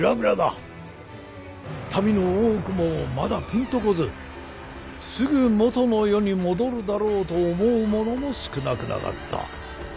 民の多くもまだピンと来ずすぐもとの世に戻るだろうと思う者も少なくなかった。